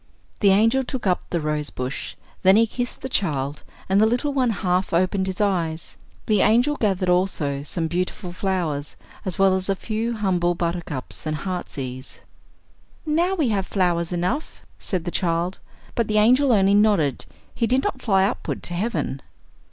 The angel took up the rose bush; then he kissed the child, and the little one half opened his eyes. The angel gathered also some beautiful flowers, as well as a few humble buttercups and heart's ease. "Now we have flowers enough," said the child; but the angel only nodded, he did not fly upward to heaven.